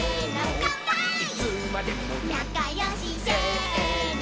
「なかよし」「せーの」